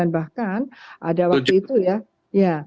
bahkan ada waktu itu ya